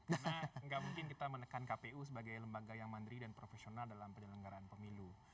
karena gak mungkin kita menekan kpu sebagai lembaga yang mandiri dan profesional dalam penyelenggaraan pemilu